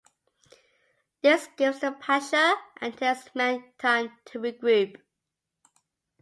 This gives the Pasha and his men time to regroup.